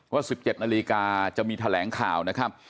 ว่า๑๗นาฬิกาจะมีแถลงข่าวนะครับ